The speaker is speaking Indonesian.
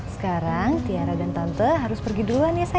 sekarang tiara dan tante harus pergi duluan ya